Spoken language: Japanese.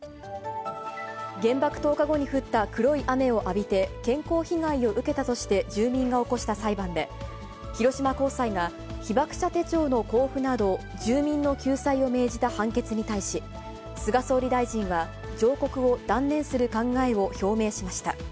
原爆投下後に降った黒い雨を浴びて、健康被害を受けたとして住民が起こした裁判で、広島高裁が被爆者手帳の交付など、住民の救済を命じた判決に対し、菅総理大臣は、上告を断念する考えを表明しました。